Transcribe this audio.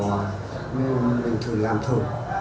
nên mình thử làm thử